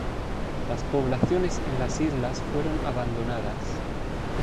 Las poblaciones en las islas fueron abandonadas.